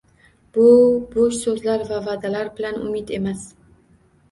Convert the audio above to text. Bu bo'sh so'zlar va va'dalar bilan umid emas